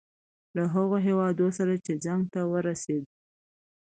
له هغه هیواد سره چې جنګ ته ورسېدو.